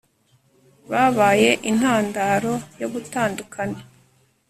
babaye intandaro yo gutandukana